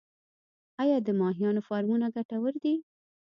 آیا د ماهیانو فارمونه ګټور دي؟